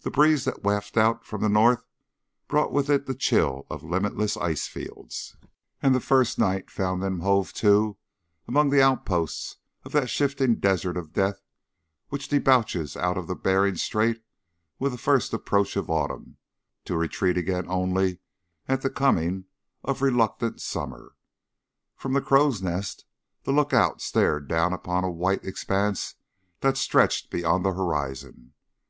The breeze that wafted out from the north brought with it the chill of limitless ice fields, and the first night found them hove to among the outposts of that shifting desert of death which debouches out of Behring Straits with the first approach of autumn, to retreat again only at the coming of reluctant summer. From the crow's nest the lookout stared down upon a white expanse that stretched beyond the horizon.